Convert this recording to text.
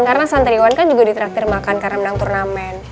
karena santriwan kan juga diteraktir makan karena menang turnamen